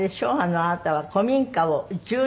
あなたは古民家を１２軒？